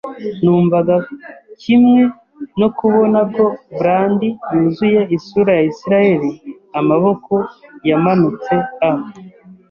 Numvaga kimwe no kubona ko brandy-yuzuye isura ya Isiraheli Amaboko yamanutse a